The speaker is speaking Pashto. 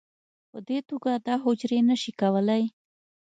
په دې توګه دا حجرې نه شي کولی